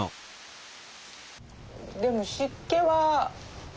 でも湿気は。